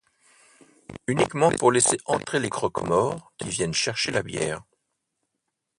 Uniquement pour laisser entrer les croque-morts qui viennent chercher la bière.